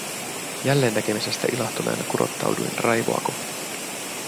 Jälleennäkemisestä ilahtuneena kurottauduin Raivoa kohti: